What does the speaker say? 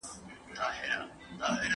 - له بل ځایه مې ورکړي.